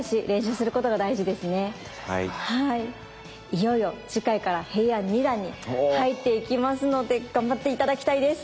いよいよ次回から平安二段に入っていきますので頑張って頂きたいです。